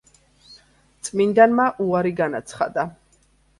წმინდანმა უარი განაცხადა.